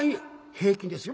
平均ですよ